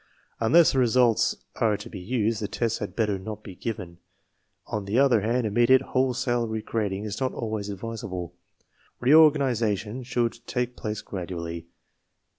Unless the results are to be used, the tests had better not be given. On the other hand, immediate wholesale re grading is not always advisable. Reorganization should i/ _take place gradually.